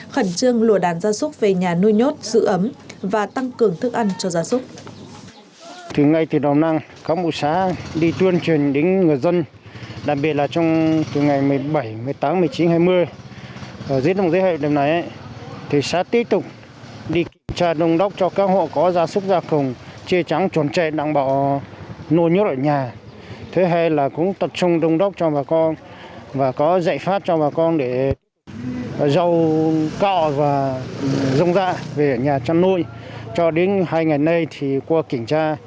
khẩn trương lùa đàn gia súc về nhà nuôi nhốt giữ ấm